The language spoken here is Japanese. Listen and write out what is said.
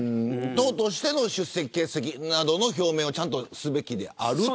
党としての出席欠席の表明をちゃんとすべきである。